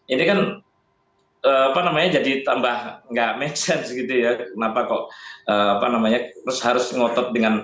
ini kan jadi tambah enggak make sense gitu ya kenapa kok harus ngotot